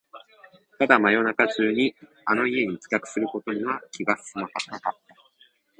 ただ、真夜中にあの家に帰宅することは気が進まなかった